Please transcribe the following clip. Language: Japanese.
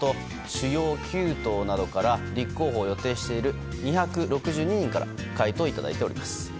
主要９党などから立候補を予定している２６２人から回答をいただいております。